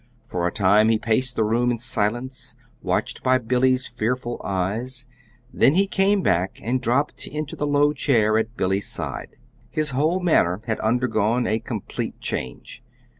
For a time he paced the room in silence, watched by Billy's fearful eyes; then he came back and dropped into the low chair at Billy's side. His whole manner had undergone a complete change.